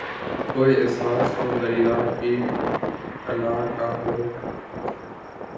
کوئی احساس تو دریا کی انا کا ہوت